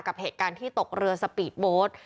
กับเหตุการณ์ที่ตกเรือสปีดโบสต์